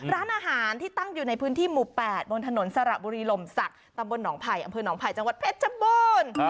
ร้านอาหารที่ตั้งอยู่ในพื้นที่หมู่๘บนถนนสระบุรีลมศักดิ์ตำบลหนองไผ่อำเภอหนองไผ่จังหวัดเพชรชบูรณ์